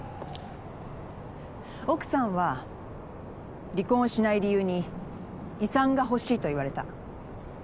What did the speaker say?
奥さんは離婚をしない理由に遺産が欲しいと言われた。